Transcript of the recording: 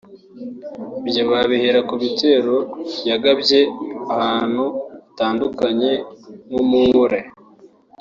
Ibyo babihera ku bitero yagabye ahantu hatandukanye nko mu Nkole